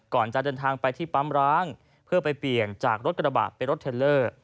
จะเดินทางไปที่ปั๊มร้างเพื่อไปเปลี่ยนจากรถกระบะเป็นรถเทลเลอร์